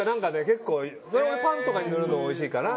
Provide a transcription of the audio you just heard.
結構それは俺パンとかに塗るのおいしいかな。